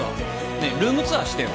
ねえルームツアーしてよ。